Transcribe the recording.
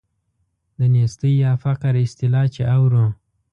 د نیستۍ یا فقر اصطلاح چې اورو.